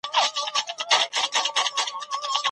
د پښتو ژبي دپاره باید معیاري قاموسونه ولیکل سي